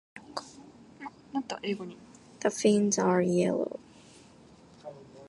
The fins are yellow.